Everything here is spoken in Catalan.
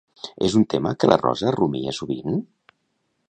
És un tema que la Rosa rumia sovint?